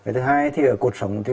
thứ hai thì là cột sống